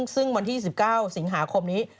ซึ่งวันที่๑๙สิงหาคมนี้